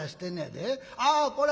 『ああこら